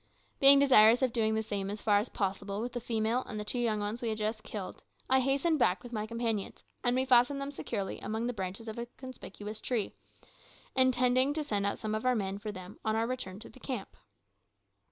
Being desirous of doing the same as far as possible with the female and the two young ones we had just killed, I hastened back with my companions, and we fastened them securely among the branches of a conspicuous tree, intending to send out some of our men for them on our return to camp.